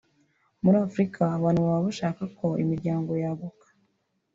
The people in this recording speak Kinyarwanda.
muri Afurika abantu baba bashaka ko imiryango yaguka